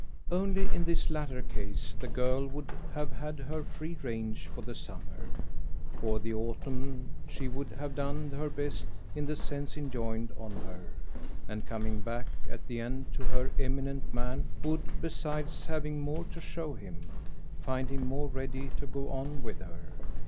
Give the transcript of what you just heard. Only in this latter case the girl would have had her free range for the summer, for the autumn; she would have done her best in the sense enjoined on her, and, coming back at the end to her eminent man, would besides having more to show him find him more ready to go on with her.